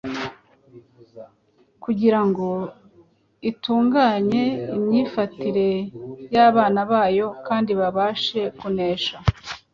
kugira ngo itunganye imyifatire y’abana bayo kandi babashe kunesha.